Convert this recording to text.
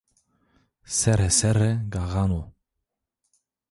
Serê serre gaxan o